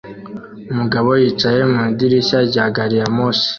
Umugabo yicaye mu idirishya rya gari ya moshi